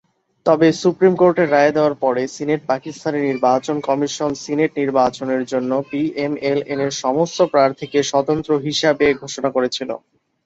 তবে সুপ্রিম কোর্টের রায় দেওয়ার পরে পাকিস্তানের নির্বাচন কমিশন সিনেট নির্বাচনের জন্য পিএমএল-এনের সমস্ত প্রার্থীকে স্বতন্ত্র হিসাবে ঘোষণা করেছিল।